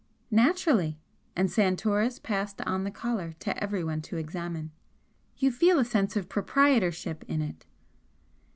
"Naturally!" and Santoris passed on the collar to everyone to examine "You feel a sense of proprietorship in it."